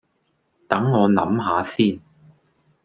等我諗吓先